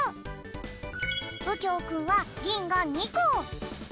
うきょうくんはぎんが２こ。